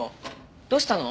どうしたの？